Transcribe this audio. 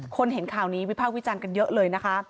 คนเห็นข่านี้วิพากษ์วิจัณฑ์กันเยอะเลยนะคะ